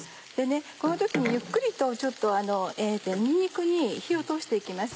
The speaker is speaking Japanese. この時にゆっくりとちょっとにんにくに火を通して行きます。